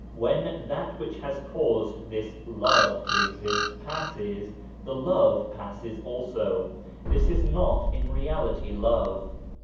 When that which has caused this " love " to exist passes, the love passes also ; this is not in reality love.